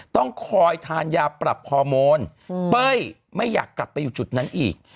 ต้องคอยทานยาปรับฮอร์โมนเป้ยไม่อยากกลับไปอยู่จุดนั้นอีก